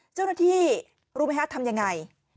เจ้าหน้าที่รู้ไหมฮะทำยังไง